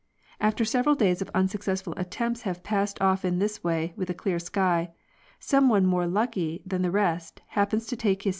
After several days of un successful attempts have passed off in this way with a clear sky, some one more lucky than the rest happens to take his.